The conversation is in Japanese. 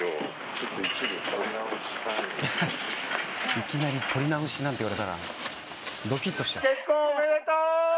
いきなり撮り直しなんて言われたらドキっとしちゃう。